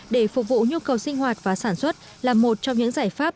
để phục vụ nhu cầu sinh hoạt và sản xuất là một trong những giải pháp